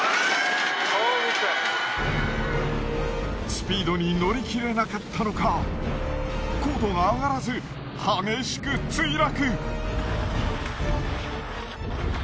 スピードに乗りきれなかったのか高度が上がらず激しく墜落！